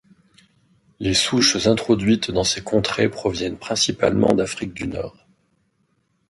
Les souches introduites dans ces contrées proviennent principalement d'Afrique du Nord.